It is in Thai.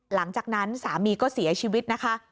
หลังจากนั้นสามีก็เสียชีวิตนะคะ